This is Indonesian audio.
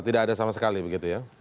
tidak ada sama sekali begitu ya